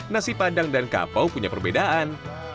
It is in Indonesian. nasi padang dan kapau punya perbedaan